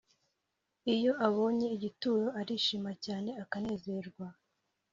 iyo abonye igituro, arishima cyane akanezerwa